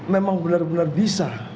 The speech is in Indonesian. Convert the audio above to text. memang benar benar bisa